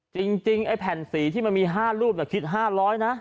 จริงไอ้แผ่นสีที่มันมี๕รูปคิด๕๐๐นะ